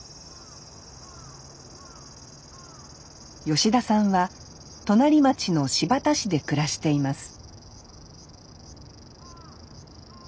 吉田さんは隣町の新発田市で暮らしています